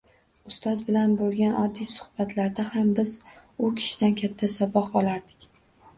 Ustoz bilan bo’lgan oddiy suhbatlarda ham biz u kishidan katta saboq olardik.